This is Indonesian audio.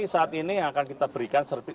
ini saat ini yang akan kita berikan